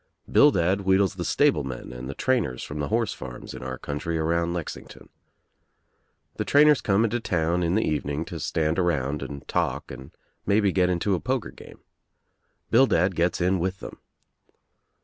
Bildad wheedles the stable men and the trainers from the horse farms in our country around Lexington, The trainers come into town in the evening to stand around and talk and maybe get into a poker game. Bildad gets in with them.